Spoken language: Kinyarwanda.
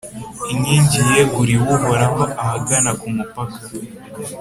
inkingi yeguriwe Uhoraho ahagana ku mupaka.